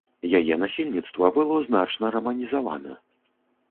Яе насельніцтва было значна раманізавана.